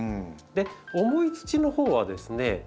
重い土のほうはですね